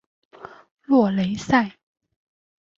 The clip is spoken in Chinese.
洛雷塞。